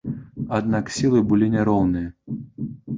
Аднак сілы былі няроўныя.